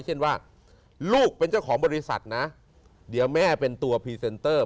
เช่นว่าลูกเป็นเจ้าของบริษัทนะเดี๋ยวแม่เป็นตัวพรีเซนเตอร์